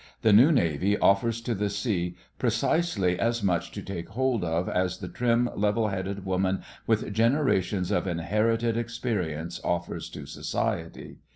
The New Navy offers to the sea precisely as much to take hold of as the trim level headed woman with generations of inherited experience offers to society.